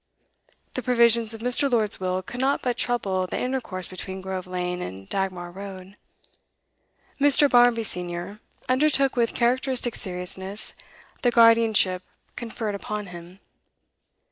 The provisions of Mr. Lord's will could not but trouble the intercourse between Grove Lane and Dagmar Road. Mr. Barmby, senior, undertook with characteristic seriousness the guardianship conferred upon him.